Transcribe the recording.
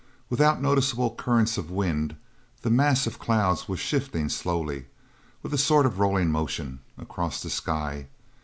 Without noticeable currents of wind, that mass of clouds was shifting slowly with a sort of rolling motion, across the sky.